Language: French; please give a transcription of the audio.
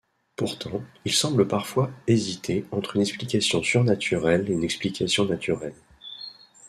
Pourtant, il semble parfois hésiter entre une explication surnaturelle et une explication naturelle.